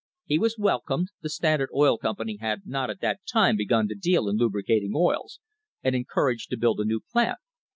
He was elcomed — the Standard Oil Company had not at that time gun to deal in lubricating oils — and encouraged to build a ew plant.